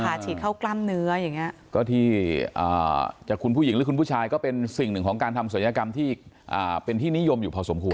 ฉีดเข้ากล้ามเนื้ออย่างเงี้ยก็ที่จะคุณผู้หญิงหรือคุณผู้ชายก็เป็นสิ่งหนึ่งของการทำศัลยกรรมที่เป็นที่นิยมอยู่พอสมควร